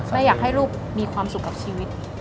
แม่อยากให้ลูกมีความสุขกับชีวิต